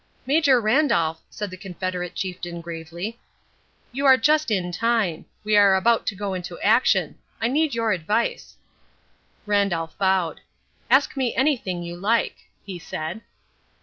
"Major Randolph," said the Confederate chieftain gravely, "you are just in time. We are about to go into action. I need your advice." Randolph bowed. "Ask me anything you like," he said.